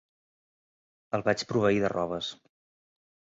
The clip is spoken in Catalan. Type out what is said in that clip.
El vaig proveir de robes.